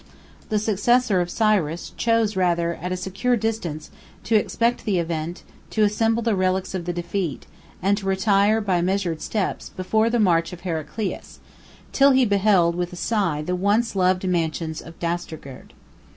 The successor of Cyrus chose rather, at a secure distance, to expect the event, to assemble the relics of the defeat, and to retire, by measured steps, before the march of Heraclius, till he beheld with a sigh the once loved mansions of Dastagerd.